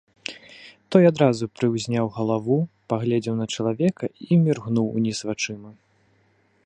Той адразу прыўзняў галаву, паглядзеў на чалавека і міргнуў уніз вачыма.